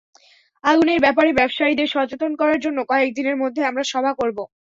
আগুনের ব্যাপারে ব্যবসায়ীদের সচেতন করার জন্য কয়েক দিনের মধ্যে আমরা সভা করব।